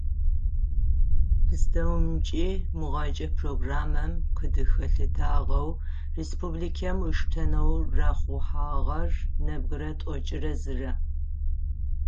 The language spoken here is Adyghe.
Пстэумкӏи мыгъэкӏэ программэм къыдыхэлъытагъэу республикэм ыштэнэу рахъухьагъэр нэбгырэ тӏокӏырэ зырэ.